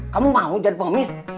kamu mau jadi pengemis